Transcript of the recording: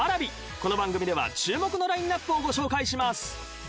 この番組では注目のラインナップをご紹介します。